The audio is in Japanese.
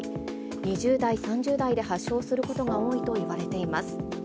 ２０代、３０代で発症することが多いといわれています。